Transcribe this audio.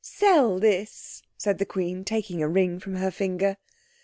"Sell this," said the Queen, taking a ring from her finger.